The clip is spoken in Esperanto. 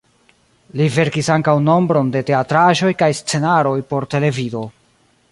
Li verkis ankaŭ nombron de teatraĵoj kaj scenaroj por televido.